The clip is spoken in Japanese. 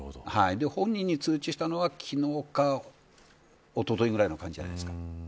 本人に通知したのは昨日かおとといぐらいの感じじゃないですか。